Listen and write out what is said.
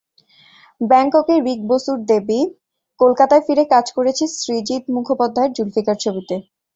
ব্যাংককে রিক বসুর দেবী, কলকাতায় ফিরে কাজ করেছি সৃজিত মুখোপাধ্যায়ের জুলফিকার ছবিতে।